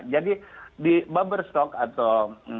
jadi di bubble stock atau